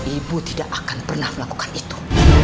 ibu tidak akan pernah melakukan itu